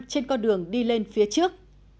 trên con đường đi lên phía trước